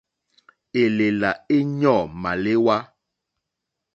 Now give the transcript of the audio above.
Élèlà éɲɔ̂ màléwá.